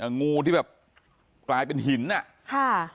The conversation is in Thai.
งูที่แบบกลายเป็นหินอ่ะค่ะ